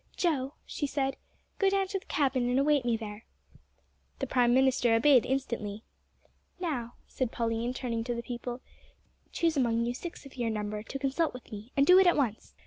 "Joe," she said, "go down to the cabin and await me there." The prime minister obeyed instantly. "Now," said Pauline, turning to the people, "choose among you six of your number to consult with me, and do it at once."